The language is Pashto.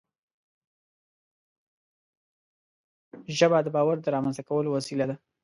ژبه د باور د رامنځته کولو وسیله ده